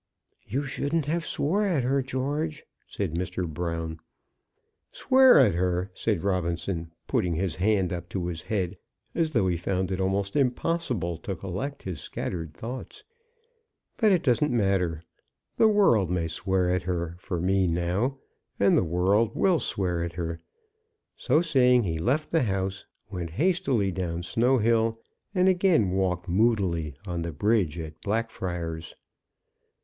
"You shouldn't have swore at her, George," said Mr. Brown. "Swear at her!" said Robinson, putting his hand up to his head, as though he found it almost impossible to collect his scattered thoughts. "But it doesn't matter. The world may swear at her for me now; and the world will swear at her!" So saying, he left the house, went hastily down Snow Hill, and again walked moodily on the bridge of Blackfriars.